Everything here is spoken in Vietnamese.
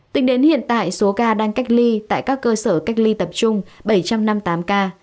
tính đến hiện tại số ca đang cách ly tại các cơ sở cách ly tập trung bảy trăm năm mươi tám ca